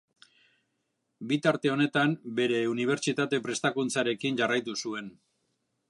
Bitarte honetan bere unibertsitate prestakuntzarekin jarraitu zuen.